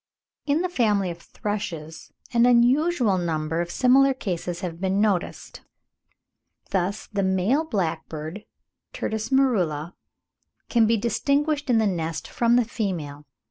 In the family of thrushes an unusual number of similar cases have been noticed; thus, the male blackbird (Turdus merula) can be distinguished in the nest from the female.